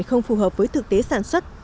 không phù hợp với thực tế sản xuất